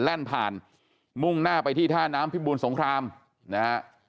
แล่นผ่านมุ่งหน้าไปที่ท่าน้ำพิบูรสงครามนะฮะ